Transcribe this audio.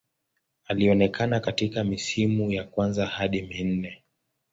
Alionekana katika misimu ya kwanza hadi minne.